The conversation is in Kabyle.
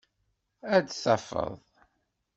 Ad tafeḍ.